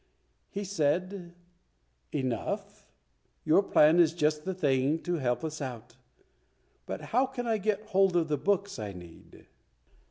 He said, "Enough, your plan is just the thing to help us out. But how can I get hold of the books I need?"